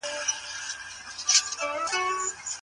ارزښتونه د ټولني ستنې دي.